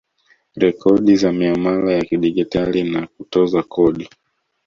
Rekodi za miamala ya kidigitali na kutoza kodi